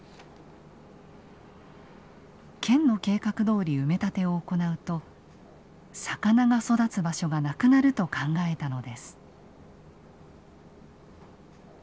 県の計画どおり埋め立てを行うと魚が育つ場所がなくなると考えたのです。